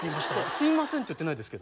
「吸いません」って言ってないですけど。